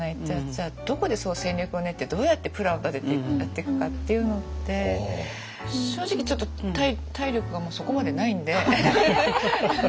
じゃあどこで戦略を練ってどうやってプランを立ててやっていくかっていうのって正直ちょっと体力がもうそこまでないんで。